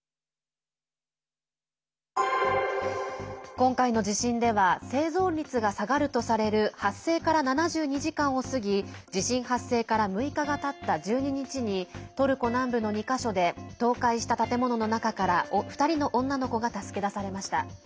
今回の地震では生存率が下がるとされる発生から７２時間を過ぎ地震発生から６日がたった１２日にトルコ南部の２か所で倒壊した建物の中から２人の女の子が助け出されました。